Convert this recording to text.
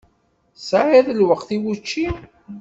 Tesɛiḍ lweqt i wučči?